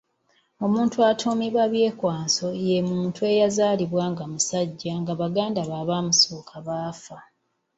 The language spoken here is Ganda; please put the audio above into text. Omuntu atuumibwa Byekwaso ye muntu eyazaalibwa nga musajja nga baganda be abaamusooka baafa.